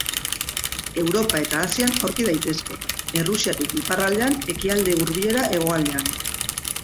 Europa eta Asian aurki daitezke, Errusiatik iparraldean Ekialde Hurbilera hegoaldean.